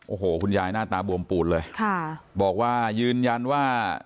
โอ้โหคุณยายหน้าตาบวมปูดเลยค่ะบอกว่ายืนยันว่า